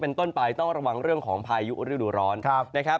เป็นต้นปลายต้องระวังเรื่องของพายุฤดูรรค์